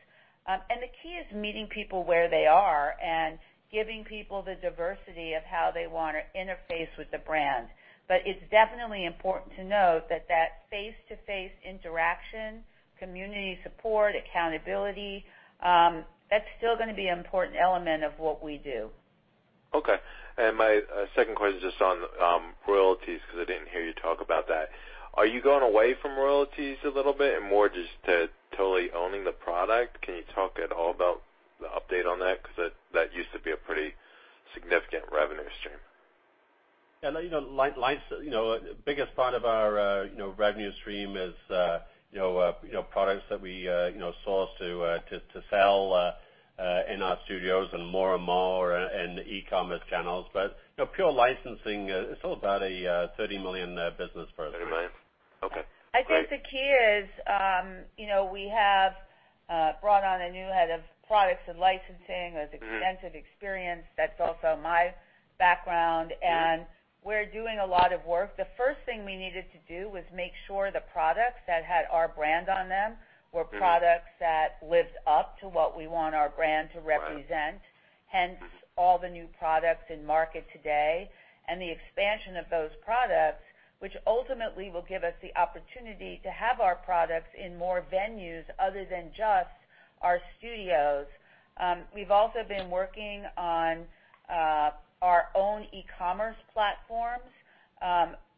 The key is meeting people where they are and giving people the diversity of how they want to interface with the brand. It's definitely important to note that that face-to-face interaction, community support, accountability, that's still going to be an important element of what we do. Okay. My second question is just on royalties, because I didn't hear you talk about that. Are you going away from royalties a little bit and more just to totally owning the product? Can you talk at all about the update on that? That used to be a pretty significant revenue stream. Yeah. The biggest part of our revenue stream is products that we source to sell in our studios and more and more in the e-commerce channels. Pure licensing, it's still about a $30 million business for us. $30 million. Okay, great. I think the key is, we have brought on a new head of products and licensing who has extensive experience. That's also my background, and we're doing a lot of work. The first thing we needed to do was make sure the products that had our brand on them were products that lived up to what we want our brand to represent. Right. Hence all the new products in market today and the expansion of those products, which ultimately will give us the opportunity to have our products in more venues other than just our studios. We've also been working on our own e-commerce platforms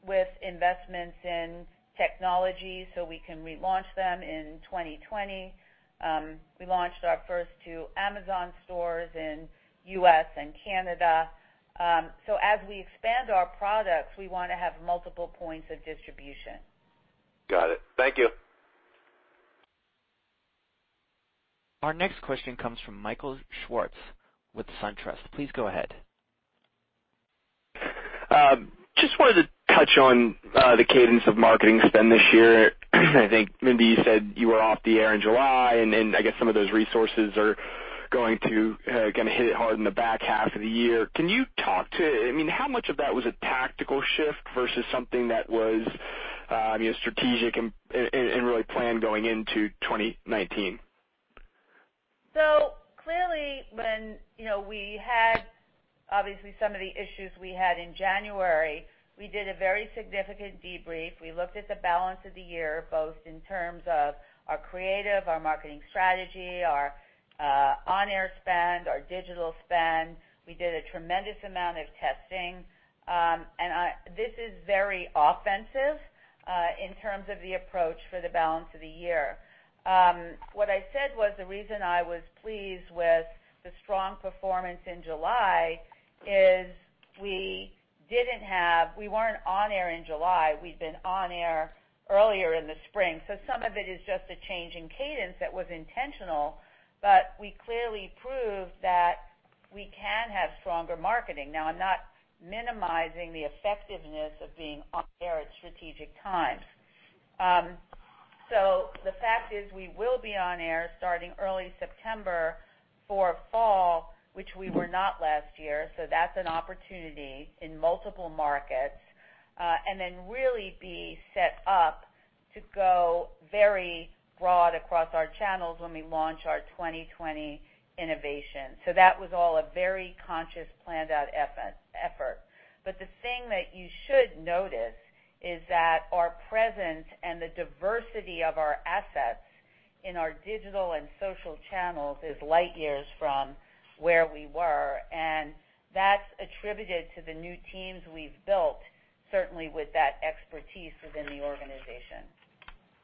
with investments in technology so we can relaunch them in 2020. We launched our first two Amazon stores in U.S. and Canada. As we expand our products, we want to have multiple points of distribution. Got it. Thank you. Our next question comes from Michael Swartz with SunTrust. Please go ahead. Just wanted to touch on the cadence of marketing spend this year. I think Mindy, you said you were off the air in July, and then I guess some of those resources are going to hit it hard in the back half of the year. Can you talk to, how much of that was a tactical shift versus something that was strategic and really planned going into 2019? Clearly when we had obviously some of the issues we had in January, we did a very significant debrief. We looked at the balance of the year, both in terms of our creative, our marketing strategy, our on-air spend, our digital spend. We did a tremendous amount of testing. This is very offensive in terms of the approach for the balance of the year. What I said was, the reason I was pleased with the strong performance in July is we weren't on air in July. We'd been on air earlier in the spring. Some of it is just a change in cadence that was intentional, but we clearly proved that we can have stronger marketing. Now, I'm not minimizing the effectiveness of being on air at strategic times. The fact is, we will be on air starting early September for fall, which we were not last year. That's an opportunity in multiple markets. Then really be set up to go very broad across our channels when we launch our 2020 innovation. That was all a very conscious, planned out effort. The thing that you should notice is that our presence and the diversity of our assets in our digital and social channels is light years from where we were, and that's attributed to the new teams we've built, certainly with that expertise within the organization.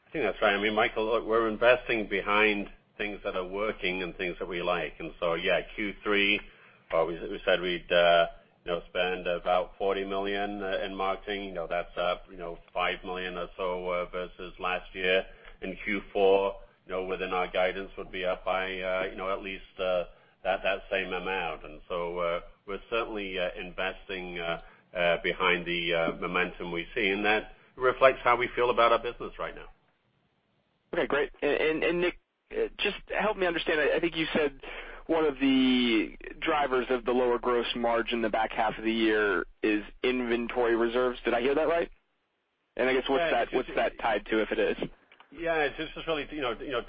I think that's right. Michael, look, we're investing behind things that are working and things that we like. Q3, we said we'd spend about $40 million in marketing. That's up $5 million or so versus last year. In Q4, within our guidance, would be up by at least that same amount. We're certainly investing behind the momentum we see, and that reflects how we feel about our business right now. Okay, great. Nick, just help me understand, I think you said one of the drivers of the lower gross margin in the back half of the year is inventory reserves. Did I hear that right? I guess, what's that tied to, if it is? It's just really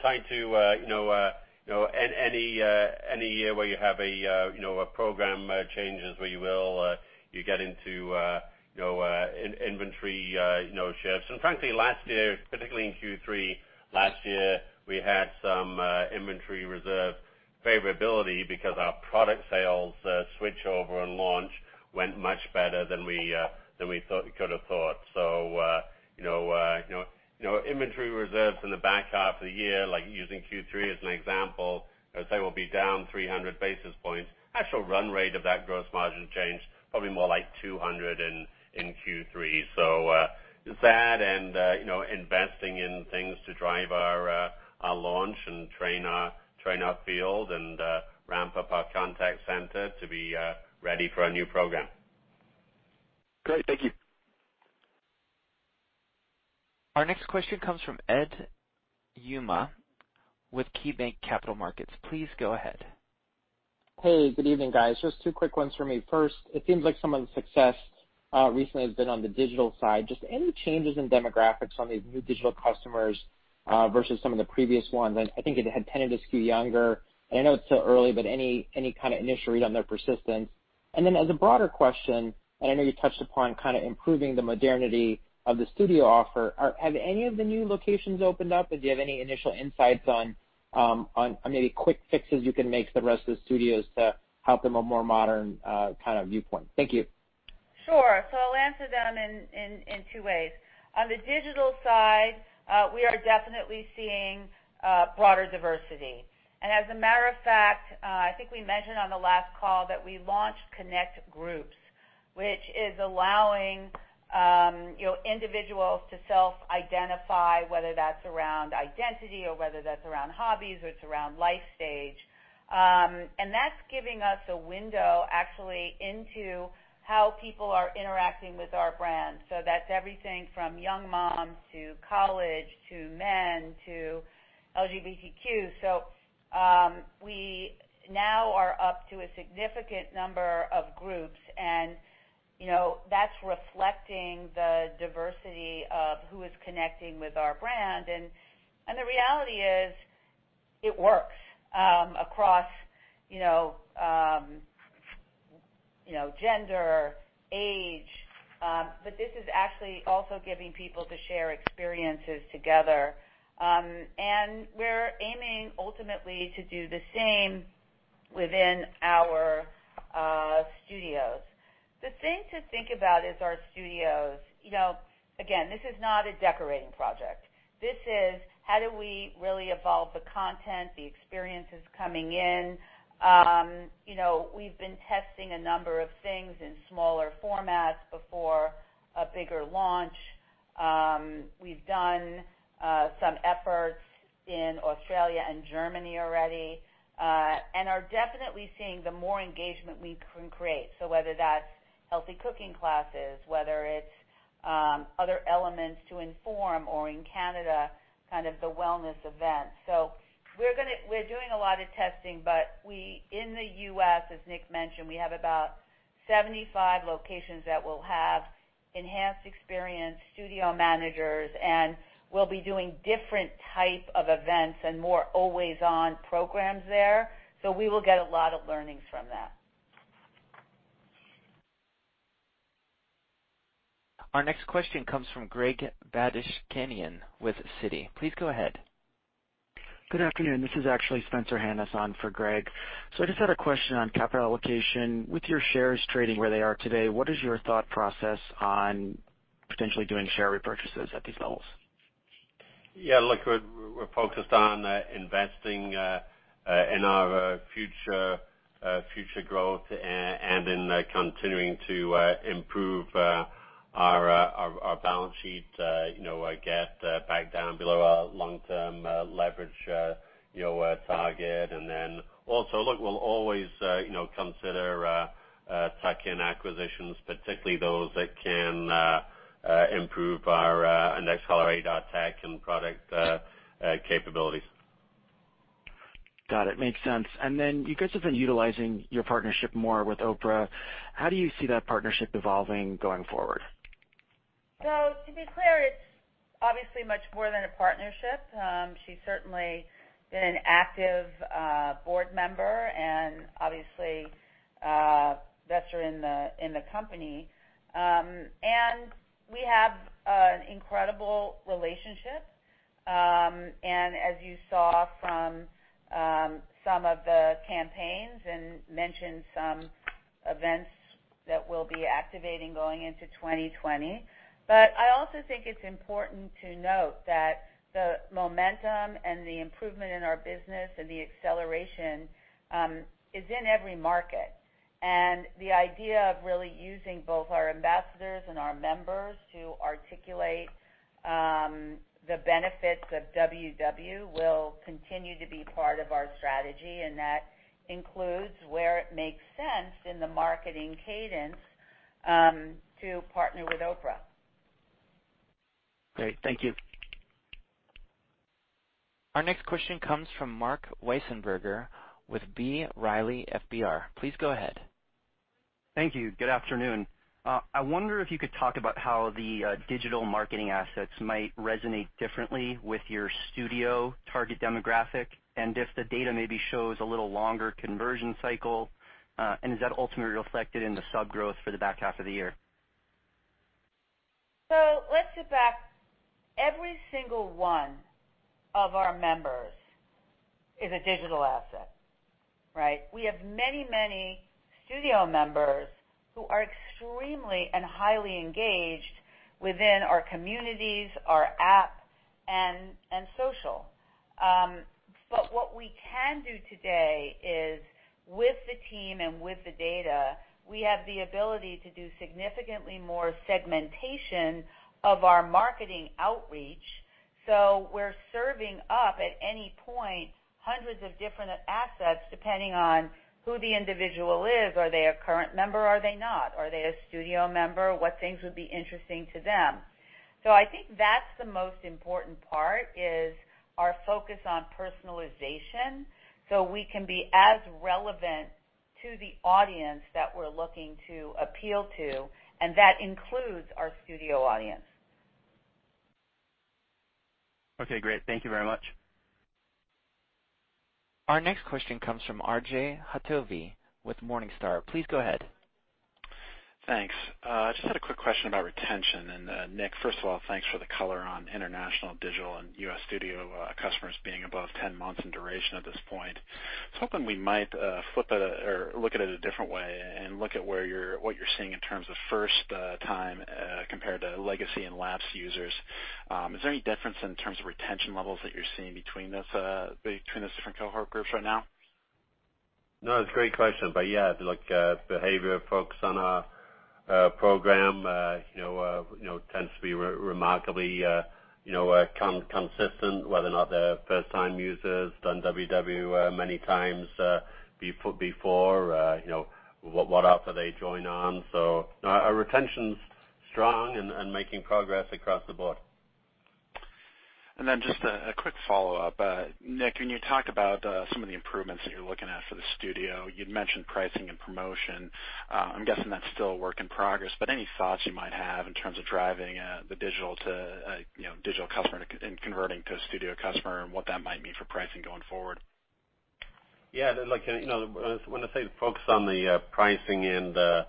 tied to any year where you have program changes, where you will get into inventory shifts. Frankly, last year, particularly in Q3 last year, we had some inventory reserve favorability because our product sales switchover and launch went much better than we could have thought. Inventory reserves in the back half of the year, like using Q3 as an example, I'd say we'll be down 300 basis points. Actual run rate of that gross margin change, probably more like 200 basis points in Q3. That and investing in things to drive our launch and train our field and ramp up our contact center to be ready for our new program. Great. Thank you. Our next question comes from Edward Yruma with KeyBanc Capital Markets. Please go ahead. Hey, good evening, guys. Just two quick ones for me. First, it seems like some of the success recently has been on the digital side. Just any changes in demographics from these new digital customers versus some of the previous ones? I think it had tended to skew younger. I know it's still early, but any kind of initial read on their persistence? As a broader question, and I know you touched upon kind of improving the modernity of the studio offer, have any of the new locations opened up? Do you have any initial insights on maybe quick fixes you can make to the rest of the studios to help them a more modern kind of viewpoint? Thank you. Sure. I'll answer them in two ways. On the digital side, we are definitely seeing broader diversity. As a matter of fact, I think we mentioned on the last call that we launched Connect Groups, which is allowing individuals to self-identify, whether that's around identity or whether that's around hobbies or it's around life stage. That's giving us a window actually into how people are interacting with our brand. That's everything from young moms to college, to men, to LGBTQ. We now are up to a significant number of groups and that's reflecting the diversity of who is connecting with our brand. The reality is, it works across gender, age. This is actually also giving people to share experiences together. We're aiming ultimately to do the same within our studios. The thing to think about is our studios. This is not a decorating project. This is how do we really evolve the content, the experiences coming in. We've been testing a number of things in smaller formats before a bigger launch. We've done some efforts in Australia and Germany already, and are definitely seeing the more engagement we can create. Whether that's healthy cooking classes, whether it's other elements to inform or in Canada, kind of the wellness event. We're doing a lot of testing in the U.S., as Nick mentioned, we have about 75 locations that will have enhanced experience studio managers, and we'll be doing different type of events and more always on programs there. We will get a lot of learnings from that. Our next question comes from Greg Badishkanian with Citi. Please go ahead. Good afternoon. This is actually Spencer Hanus on for Greg. I just had a question on capital allocation. With your shares trading where they are today, what is your thought process on potentially doing share repurchases at these levels? Yeah, look, we're focused on investing in our future growth and in continuing to improve our balance sheet, get back down below our long-term leverage target. Then also, look, we'll always consider tuck-in acquisitions, particularly those that can improve our and accelerate our tech and product capabilities. Got it. Makes sense. You guys have been utilizing your partnership more with Oprah. How do you see that partnership evolving going forward? To be clear, it's obviously much more than a partnership. She's certainly been an active board member and obviously, investor in the company. We have an incredible relationship. As you saw from some of the campaigns and mentioned some events that we'll be activating going into 2020. I also think it's important to note that the momentum and the improvement in our business and the acceleration is in every market. The idea of really using both our ambassadors and our members to articulate the benefits of WW will continue to be part of our strategy. That includes where it makes sense in the marketing cadence to partner with Oprah. Great. Thank you. Our next question comes from Marc Wiesenberger with B. Riley FBR. Please go ahead. Thank you. Good afternoon. I wonder if you could talk about how the digital marketing assets might resonate differently with your studio target demographic, and if the data maybe shows a little longer conversion cycle, and is that ultimately reflected in the sub-growth for the back half of the year? Let's sit back. Every single one of our members is a digital asset, right? We have many studio members who are extremely and highly engaged within our communities, our app, and social. What we can do today is with the team and with the data, we have the ability to do significantly more segmentation of our marketing outreach. We're serving up at any point hundreds of different assets depending on who the individual is. Are they a current member, are they not? Are they a Studio member? What things would be interesting to them? I think that's the most important part, is our focus on personalization so we can be as relevant to the audience that we're looking to appeal to, and that includes our Studio audience. Okay, great. Thank you very much. Our next question comes from R.J. Hottovy with Morningstar. Please go ahead. Thanks. Just had a quick question about retention. Nick, first of all, thanks for the color on international, digital, and U.S. Studio customers being above 10 months in duration at this point. I was hoping we might look at it a different way and look at what you're seeing in terms of first time compared to legacy and lapsed users. Is there any difference in terms of retention levels that you're seeing between those different cohort groups right now? No, it's a great question. Yeah, if you look at behavior of folks on our program, tends to be remarkably consistent whether or not they're first-time users, done WW many times before, what offer they join on. No, our retention's strong and making progress across the board. Just a quick follow-up. Nick, can you talk about some of the improvements that you're looking at for the Studio? You'd mentioned pricing and promotion. I'm guessing that's still a work in progress, but any thoughts you might have in terms of driving the digital customer and converting to a Studio customer and what that might mean for pricing going forward? Yeah, when I say focus on the pricing and the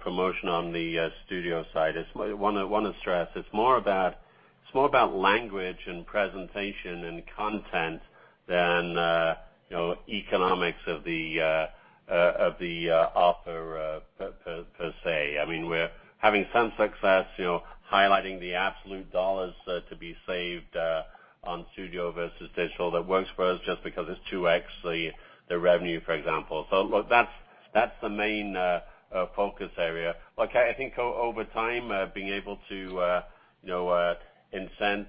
promotion on the Studio side, I want to stress it's more about language and presentation and content than economics of the offer per se. We're having some success highlighting the absolute dollars to be saved on Studio versus Digital. That works for us just because it's 2x the revenue, for example. That's the main focus area. I think over time, being able to incent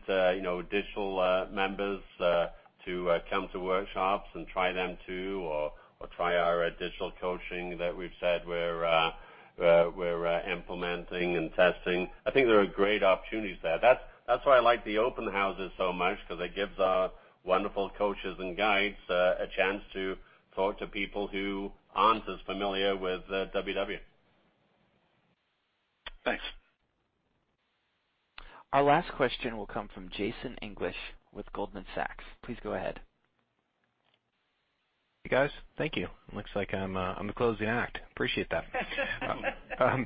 Digital members to come to workshops and try them too or try our Digital coaching that we've said we're implementing and testing. I think there are great opportunities there. That's why I like the open houses so much because it gives our wonderful coaches and guides a chance to talk to people who aren't as familiar with WW. Thanks. Our last question will come from Jason English with Goldman Sachs. Please go ahead. Hey, guys. Thank you. Looks like I'm the closing act. Appreciate that.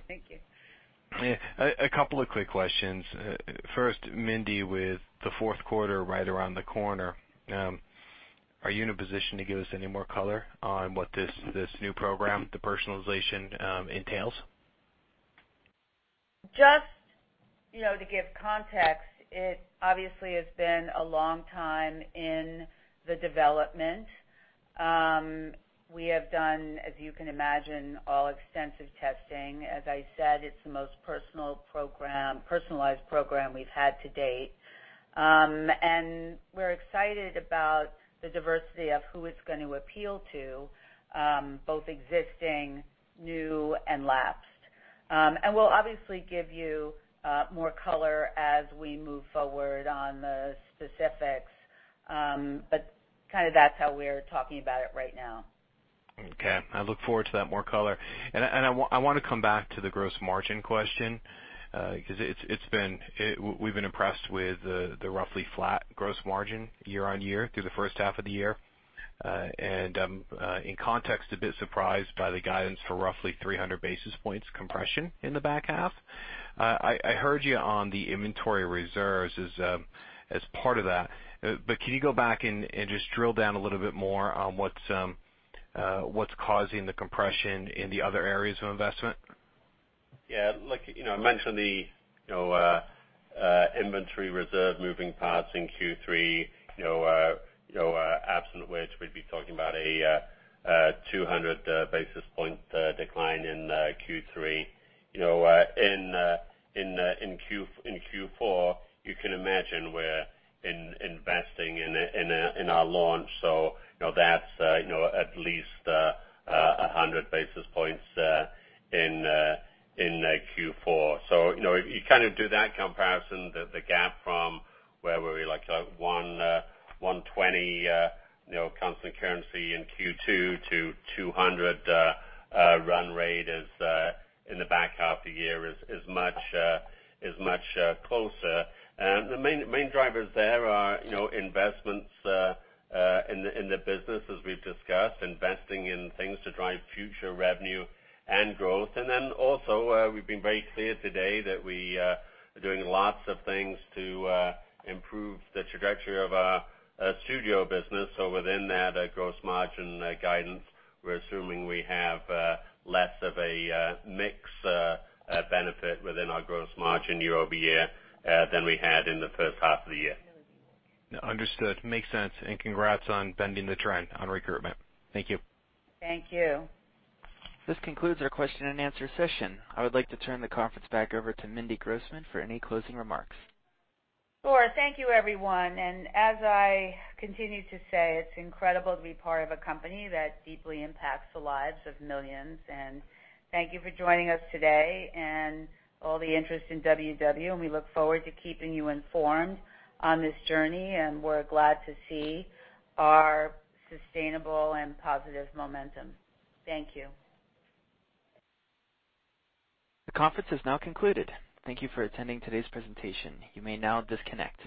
Thank you. A couple of quick questions. First, Mindy, with the fourth quarter right around the corner, are you in a position to give us any more color on what this new program, the personalization, entails? Just to give context, it obviously has been a long time in the development. We have done, as you can imagine, all extensive testing. As I said, it's the most personalized program we've had to date. We're excited about the diversity of who it's going to appeal to, both existing, new, and lapsed. We'll obviously give you more color as we move forward on the specifics, but that's how we're talking about it right now. Okay. I look forward to that more color. I want to come back to the gross margin question. We've been impressed with the roughly flat gross margin year-over-year through the first half of the year. In context, a bit surprised by the guidance for roughly 300 basis points compression in the back half. I heard you on the inventory reserves as part of that. Can you go back and just drill down a little bit more on what's causing the compression in the other areas of investment? Yeah. I mentioned the inventory reserve moving parts in Q3, absent which we'd be talking about a 200 basis point decline in Q3. In Q4, you can imagine we're investing in our launch, that's at least 100 basis points in Q4. If you do that comparison, the gap from where we were like 120 constant currency in Q2 to 200 run rate in the back half of the year is much closer. The main drivers there are investments in the business, as we've discussed. Investing in things to drive future revenue and growth. Also, we've been very clear today that we are doing lots of things to improve the trajectory of our Studio business. Within that gross margin guidance, we're assuming we have less of a mix benefit within our gross margin year-over-year than we had in the first half of the year. Understood. Makes sense. Congrats on bending the trend on recruitment. Thank you. Thank you. This concludes our question and answer session. I would like to turn the conference back over to Mindy Grossman for any closing remarks. Sure. Thank you, everyone. As I continue to say, it's incredible to be part of a company that deeply impacts the lives of millions. Thank you for joining us today and all the interest in WW, and we look forward to keeping you informed on this journey, and we're glad to see our sustainable and positive momentum. Thank you. The conference is now concluded. Thank you for attending today's presentation. You may now disconnect.